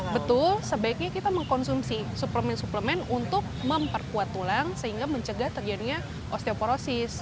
betul sebaiknya kita mengkonsumsi suplemen suplemen untuk memperkuat tulang sehingga mencegah terjadinya osteoporosis